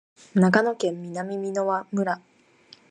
長野県南箕輪村